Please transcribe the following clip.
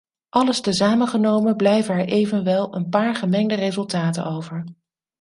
Alles tezamen genomen blijven er evenwel een paar gemengde resultaten over.